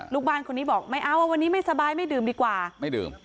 ลูกบ้านคนนี้บอกไม่เอาวันนี้ไม่สบายไม่ดื่มดีกว่าไม่ดื่ม